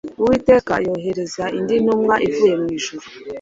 Uwiteka yohereza indi ntumwa ivuye mu ijuru